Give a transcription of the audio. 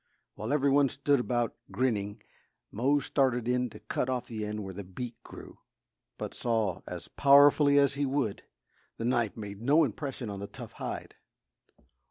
While every one stood about grinning, Mose started in to cut off the end where the beak grew; but saw as powerfully as he would, the knife made no impression on the tough hide.